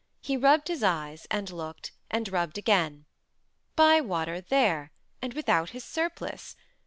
He rubbed his eyes, and looked, and rubbed again. Bywater there! and without his surplice!